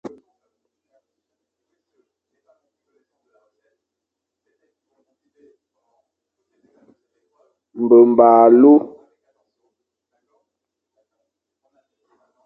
Mbemba alu.